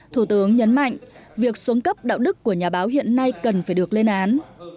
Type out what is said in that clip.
thủ tướng nhấn mạnh việc xuống cấp đạo đức của nhà báo hiện nay cần phải được lên án